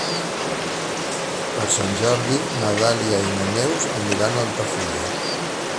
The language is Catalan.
Per Sant Jordi na Dàlia i na Neus aniran a Altafulla.